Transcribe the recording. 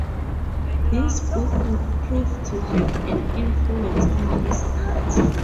This book would prove to have an influence on his art.